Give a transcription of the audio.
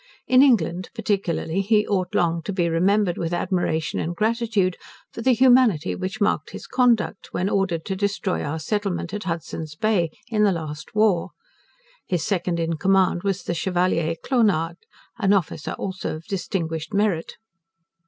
In England, particularly, he ought long to be remembered with admiration and gratitude, for the humanity which marked his conduct, when ordered to destroy our settlement at Hudson's Bay, in the last war. His second in command was the Chevalier Clonard, an officer also of distinguished merit.